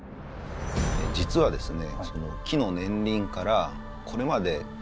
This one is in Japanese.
実はですね